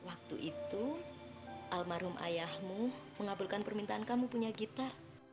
waktu itu almarhum ayahmu mengabulkan permintaan kamu punya gitar